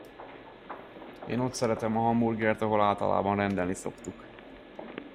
Én ott szeretem a hamburgert, ahol általában rendelni szoktuk.